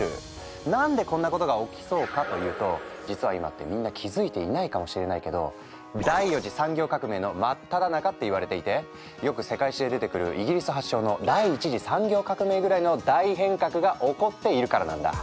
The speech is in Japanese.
何でこんなことが起きそうかというと実は今ってみんな気付いていないかもしれないけど第４次産業革命の真っただ中っていわれていてよく世界史で出てくるイギリス発祥の第１次産業革命ぐらいの大変革が起こっているからなんだ。